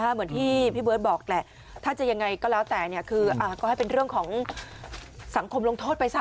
เหมือนที่พี่เบิร์ตบอกแหละถ้าจะยังไงก็แล้วแต่คือก็ให้เป็นเรื่องของสังคมลงโทษไปซะ